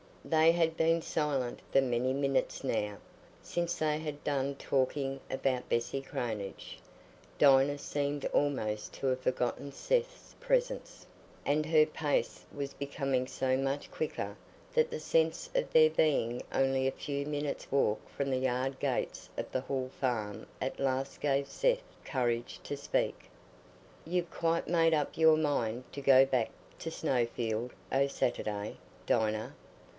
They had been silent for many minutes now, since they had done talking about Bessy Cranage; Dinah seemed almost to have forgotten Seth's presence, and her pace was becoming so much quicker that the sense of their being only a few minutes' walk from the yard gates of the Hall Farm at last gave Seth courage to speak. "You've quite made up your mind to go back to Snowfield o' Saturday, Dinah?"